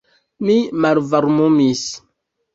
Mi malvarmumis.